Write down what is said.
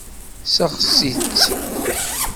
Seɣtit-tt.